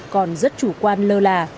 còn rất chủ quan lơ là